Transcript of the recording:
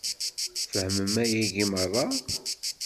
Tfehmem ayagi meṛṛa?